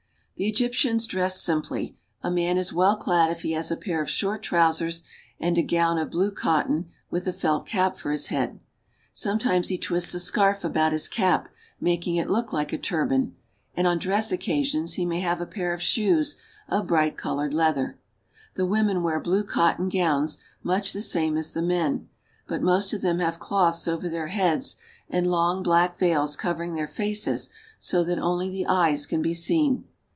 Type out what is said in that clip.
The Egyptians dress simply. A man is well clad if he has a pair of short trousers and a gown of blue cotton with a felt cap for his head. Sometimes he twists a scarf about his cap, making it look like a turban, and on dress occasions he may have a pair of shoes of bright colored leather. The women wear blue cotton gowns, much the same as the men, but most of them have cloths over their heads and long, black veils covering their faces so that only the eyes can be seen.